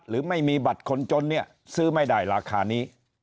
หรือไม่มีบัตรคนจนเนี่ยซื้อไม่ได้ราคานี้